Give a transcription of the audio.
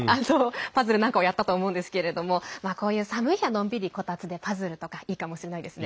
パズルなんかをやったと思うんですけれどもこういう寒い日は、のんびりこたつでパズルとかいいかもしれないですね。